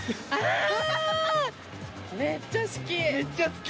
めっちゃ好き。